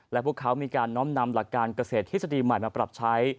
และพวกเขามีการน้อมนำหลักการเกษตรทฤษฎีใหม่มาปรับใช้